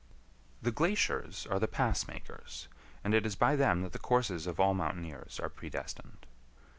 The glaciers are the pass makers, and it is by them that the courses of all mountaineers are predestined.